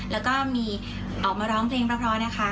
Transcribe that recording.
แล้วก็มาร้องเพลงรับร้อยค่ะ